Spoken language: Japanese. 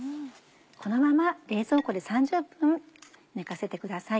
このまま冷蔵庫で３０分寝かせてください。